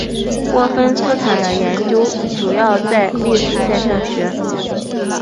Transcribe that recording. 沃芬斯坦的研究主要在粒子现象学。